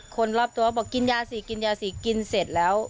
คนรอบตัวบอกกินยาสิกินยาสิกินเสร็จแล้ว